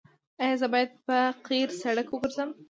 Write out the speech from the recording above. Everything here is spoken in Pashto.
ایا زه باید په قیر سړک وګرځم؟